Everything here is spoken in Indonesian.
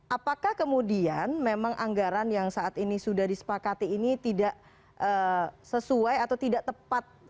apakah kemudian memang anggaran yang saat ini sudah disepakati ini tidak sesuai atau tidak tepat